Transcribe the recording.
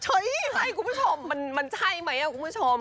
อะไรคุณผู้ชมมันใช่ไหมคุณผู้ชม